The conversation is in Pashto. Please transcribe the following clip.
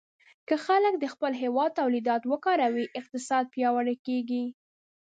که خلک د خپل هېواد تولیدات وکاروي، اقتصاد پیاوړی کېږي.